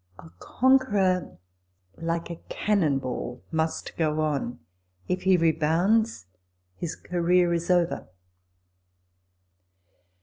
A conqueror, like a cannon ball, must go on. If he rebounds, his career is over.